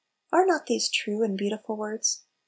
Are not these true and beau tiful words